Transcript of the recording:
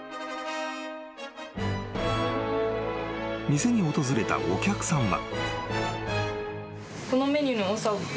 ［店に訪れたお客さんは］